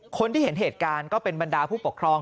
คนที่เห็นเหตุการณ์ก็เป็นบรรดาผู้ปกครอง